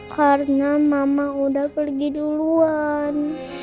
karena mama udah pergi duluan